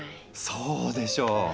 そうでしょう！